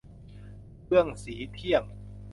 เอื้องศรีเที่ยง